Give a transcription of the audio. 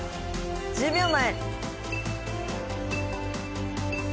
１０秒前。